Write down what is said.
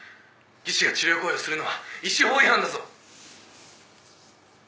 技師が治療行為をするのは医師法違反だぞ。